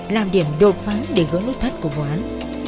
làm điểm đột phá để gỡ nút thắt của vụ án